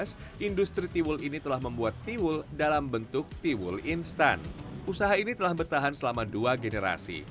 serta roti gulung telur